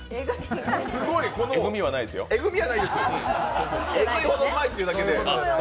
すごいこのえぐみはないですよ、エグいほどうまいってだけで。